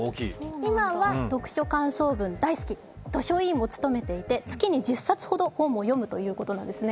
今は読書感想文、大好き、図書委員も務めていて月に１０冊ほど本を読むということですね。